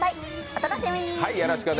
お楽しみに。